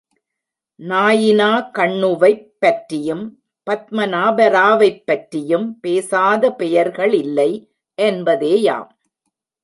நாயினா கண்ணுவைப் பற்றியும் பத்மநாபராவைப் பற்றியும் பேசாத பெயர்களில்லை என்பதேயாம்.